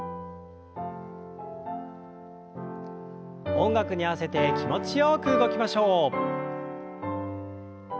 音楽に合わせて気持ちよく動きましょう。